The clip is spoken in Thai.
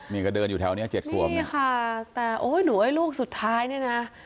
นี่ก็เดินอยู่แถวเนี้ยเจ็ดขวบเนี่ยค่ะแต่โอ้ยหนูไอ้ลูกสุดท้ายเนี่ยนะ